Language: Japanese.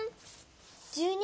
１２